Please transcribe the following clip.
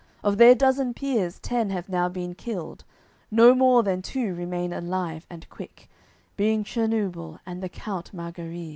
Of their dozen peers ten have now been killed, No more than two remain alive and quick, Being Chernuble, and the count Margariz.